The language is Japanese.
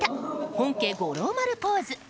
本家・五郎丸ポーズ。